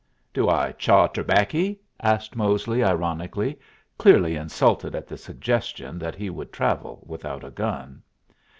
"Do I chaw terbaccy?" asked Mosely, ironically, clearly insulted at the suggestion that he would travel without a gun.